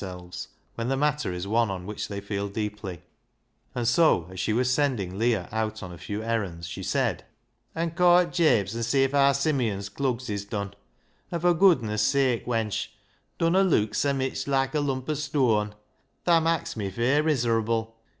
selves when the matter is one on which they feel deeply, and so as she was sending Leah out on a few errands, she said — "An' caw at Jabe's an' see if aar Simeon's clugs is done ; an', fur goodness sake, wench, dunna leuk sa mitch loike a lump o' stoan ! Thaa mak's me fair miserable.